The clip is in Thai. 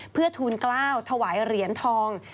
เพื่อทูลกล้าวถวายเหรียญทอง